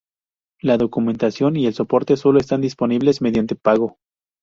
La documentación y el soporte solo están disponibles mediante pago.